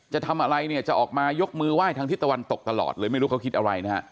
จะทำอะไรเนี่ยจะออกมายกมือไหว้ทางทิศตะวันตกตลอดเลยไม่รู้เขาคิดอะไรนะฮะ